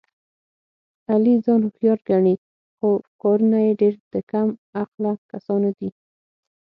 علي ځان هوښیار ګڼي، خو کارونه یې ډېر د کم عقله کسانو دي.